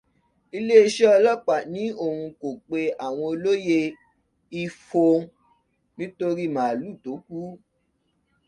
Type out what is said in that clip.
Iléeṣẹ́ ọlọ́pàá ní òun kò pe àwọn olóyè Ifon nítorí màálù tó kú.